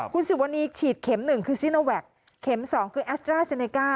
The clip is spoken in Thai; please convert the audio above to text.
คุณสุวรรณีฉีดเข็มหนึ่งคือซิเนอร์แวคเข็มสองคือแอสตราเซเนก้า